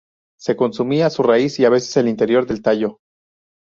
Se consumía su raíz y a veces el interior del tallo.